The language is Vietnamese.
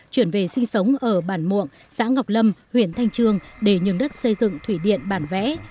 chuyển về sinh sống ở bản muộng xã ngọc lâm huyện thanh trương để nhường đất xây dựng thủy điện bản vẽ